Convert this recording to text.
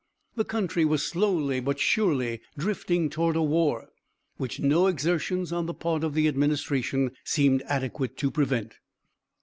The country was slowly but surely drifting toward a war, which no exertions on the part of the administration seemed adequate to prevent.